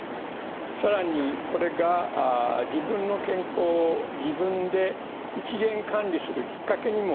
更にこれが自分の健康を自分で一元管理するきっかけにもなるというふうに期待されます。